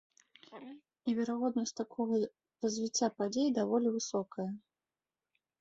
І верагоднасць такога развіцця падзей даволі высокая.